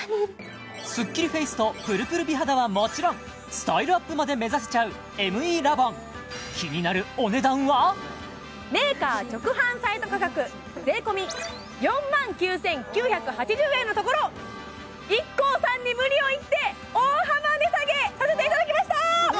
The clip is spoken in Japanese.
スッキリフェイスとぷるぷる美肌はもちろんスタイルアップまで目指せちゃうＭＥラボンメーカー直販サイト価格税込４万９９８０円のところＩＫＫＯさんに無理を言って大幅値下げさせていただきました